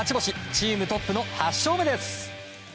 チームトップの８勝目です。